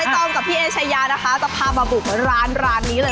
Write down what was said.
ตองกับพี่เอชายานะคะจะพามาบุกร้านร้านนี้เลย